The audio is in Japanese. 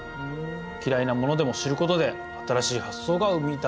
キライなものでも知ることで新しい発想が生み出される。